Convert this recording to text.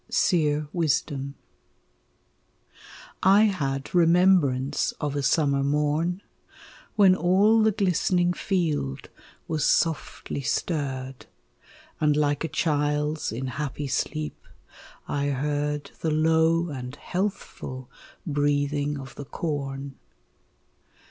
SERE WISDOM I had remembrance of a summer morn, When all the glistening field was softly stirred And like a child's in happy sleep I heard The low and healthful breathing of the corn.